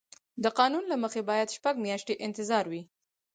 د قانون له مخې باید شپږ میاشتې انتظار وي.